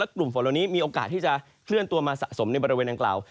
กลุ่มฝนเหล่านี้มีโอกาสที่จะเคลื่อนตัวมาสะสมในบริเวณดังกล่าว